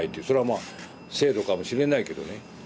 それはまあ制度かもしれないけどね。